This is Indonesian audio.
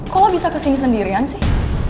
kok lo bisa kesini sendirian sih